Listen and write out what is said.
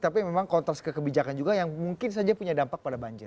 tapi memang kontras kekebijakan juga yang mungkin saja punya dampak pada banyak